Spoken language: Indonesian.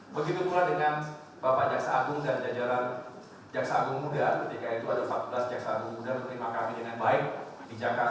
begitu pula dengan bapak jaksa agung dan jajaran jaksa agung muda ketika itu ada empat belas jaksa agung muda menerima kami dengan baik di jakarta